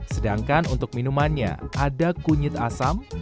sedangkan untuk minumannya ada kunyit asam